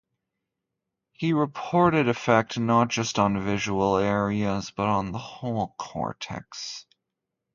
He reported effect not just on visual areas but on the whole cortex.